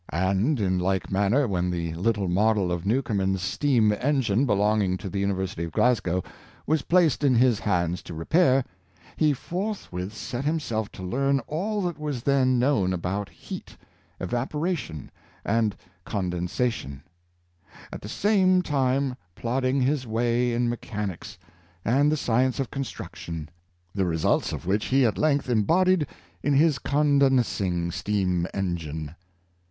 And, in like manner, when the little model of Newcom en's steam engine, belonging to the University of Glas gow, was placed in his hands to repair, he forthwith set himself to learn all that was then known about heat, evaporation and condensation — at the same time plod ing his way in mechanics and the science of construction — the results of which he at length embodied in his con densing steam engine.